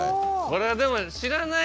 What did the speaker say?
これでも。